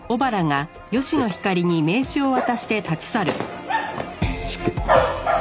失敬。